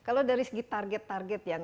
kalau dari segi target target yang